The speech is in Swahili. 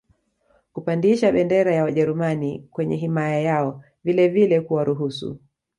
kupandisha bendera ya wajerumani kwenye himaya yao vilevile kuwaruhusu